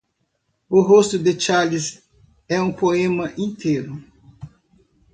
O rosto de Carles é um poema inteiro.